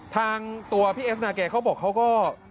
ทางตัวพี่เอสนาแกเขาบอกเขาก็